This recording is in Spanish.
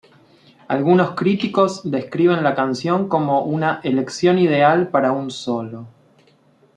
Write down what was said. Algunos críticos describen la canción como una "elección ideal para un solo.